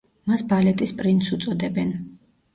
მას ბალეტის პრინცს უწოდებენ.